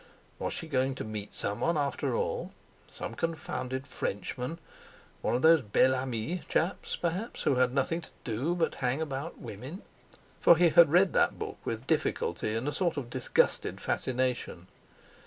Was she going to meet someone after all? Some confounded Frenchman—one of those "Bel Ami" chaps, perhaps, who had nothing to do but hang about women—for he had read that book with difficulty and a sort of disgusted fascination.